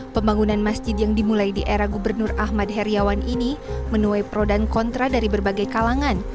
pembangunan masjid yang dimulai di era gubernur ahmad heriawan ini menuai pro dan kontra dari berbagai kalangan